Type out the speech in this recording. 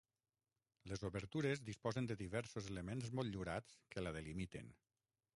Les obertures disposen de diversos elements motllurats que la delimiten.